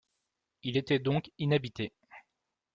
Il était donc inhabité.